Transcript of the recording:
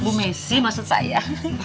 bu mesih maksud saya